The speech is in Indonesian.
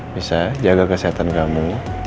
bisa jaga kesehatan kamu